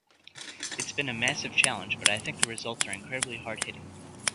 It's been a massive challenge but I think the results are incredibly hard-hitting.